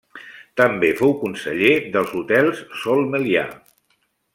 També fou conseller dels hotels Sol Melià.